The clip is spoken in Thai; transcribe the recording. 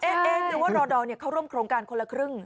เองหรือว่ารอดอร์เข้าร่วมโครงการคนละครึ่ง